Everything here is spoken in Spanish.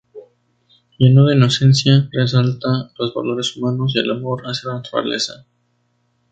Lleno de inocencia, resalta los valores humanos y el amor hacia la naturaleza.